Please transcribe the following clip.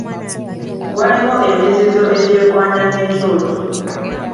Waliwo emizizo egyekwanya n'ekyoto.